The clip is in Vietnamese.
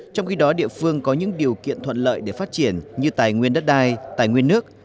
trong khi đó địa phương có những điều kiện thuận lợi để phát triển như tài nguyên đất đai tài nguyên nước